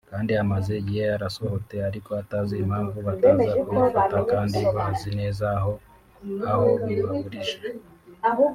kandi amaze igihe yarasohote ariko atazi impamvu bataza kuyafata kandi bazi neza aho aho bibarurije